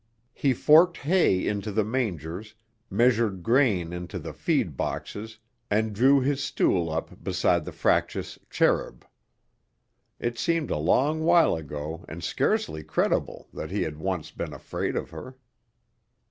He forked hay into the mangers, measured grain into the feed boxes and drew his stool up beside the fractious Cherub. It seemed a long while ago and scarcely credible that he had once been afraid of her.